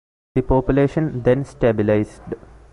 The population then stabilized.